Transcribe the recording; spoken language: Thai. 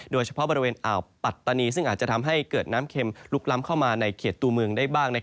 โดยเฉพาะบริเวณอ่าวปัตตานีซึ่งอาจจะทำให้เกิดน้ำเข็มลุกล้ำเข้ามาในเขตตัวเมืองได้บ้าง